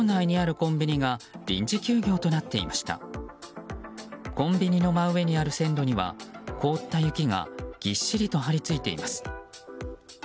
コンビニの真上にある線路には凍った雪がぎっしりと張り付いています。